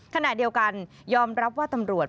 ขณะเดียวกันยอมรับว่าตำรวจ